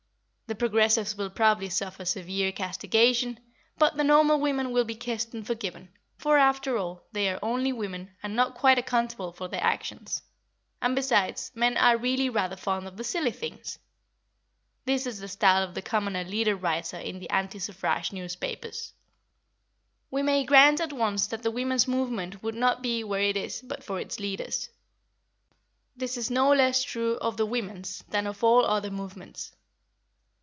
The progressives will probably suffer severe castigation, but the normal women will be kissed and forgiven, for, after all, they are only women and not quite accountable for their actions; and, besides, men are really rather fond of the silly things. This is the style of the commoner leader writer in the anti suffrage newspapers. We may grant at once that the women's movement would not be where it is but for its leaders. This is no less true of the women's than of all other movements.